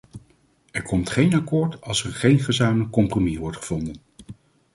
Er komt geen akkoord als er geen gezamenlijk compromis wordt gevonden.